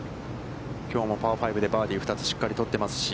きょうもパー５でバーディー２つ、しっかり取っていますし。